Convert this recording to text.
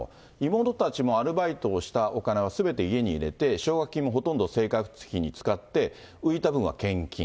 妹たちもアルバイトをしたお金はすべて家に入れて、奨学金もほとんど生活費に使って、浮いた分は献金。